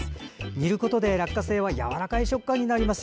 煮ることで落花生はやわらかい食感になります。